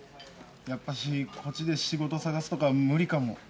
やっぱしこっちで仕事探すとか無理かも。